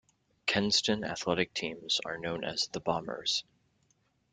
Kenston athletic teams are known as the Bombers.